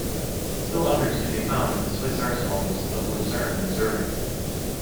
Still others can be found in the Swiss arsenals of Lucerne and Zurich.